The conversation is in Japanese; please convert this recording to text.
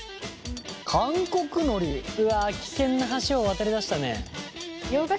うわ危険な橋を渡りだしたね。